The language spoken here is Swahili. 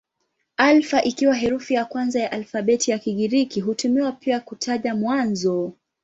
Alfa ikiwa herufi ya kwanza ya alfabeti ya Kigiriki hutumiwa pia kwa kutaja mwanzo.